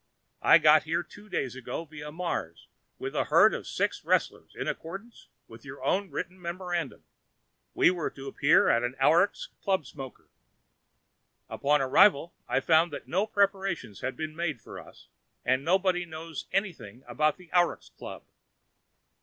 I got here two days ago via Mars with a herd of six wrestlers, in accordance with your own written memorandum. We were to appear at an Auruchs club smoker. Upon arrival, I found that no preparations had been made for us and nobody knows anything about an Auruchs club.